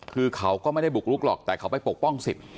คือเขาก็ไม่ได้บุกลุกหรอกแต่เขาไปปกป้องสิทธิ